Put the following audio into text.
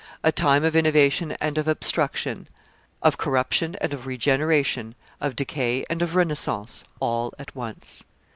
A time of innovation and of obstruction, of corruption and of regeneration, of decay and of renaissance, all at once.